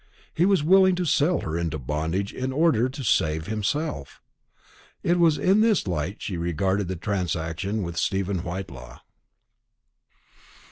He was willing to sell her into bondage in order to save himself. It was in this light she regarded the transaction with Stephen Whitelaw.